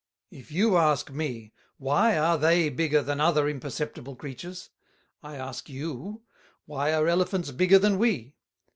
If you ask me, why are they bigger than other imperceptible Creatures? I ask you, why are Elephants bigger than we?